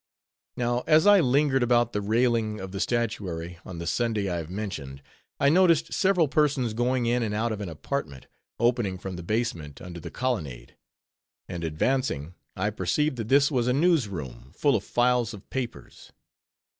Now, as I lingered about the railing of the statuary, on the Sunday I have mentioned, I noticed several persons going in and out of an apartment, opening from the basement under the colonnade; and, advancing, I perceived that this was a news room, full of files of papers.